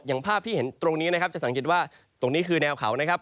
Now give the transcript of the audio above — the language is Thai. ภาพที่เห็นตรงนี้นะครับจะสังเกตว่าตรงนี้คือแนวเขานะครับ